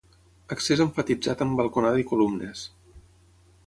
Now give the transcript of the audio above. Accés emfatitzat amb balconada i columnes.